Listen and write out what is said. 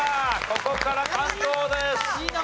ここから関東です。